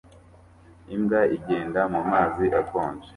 Imbwa igenda mu mazi akonje